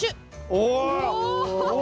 お！